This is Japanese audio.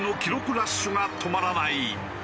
ラッシュが止まらない！